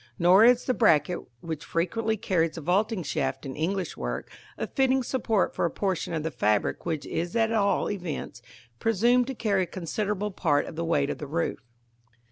Nor is the bracket which frequently carries the vaulting shaft in English work a fitting support for a portion of the fabric which is at all events presumed to carry a considerable part of the weight of the roof.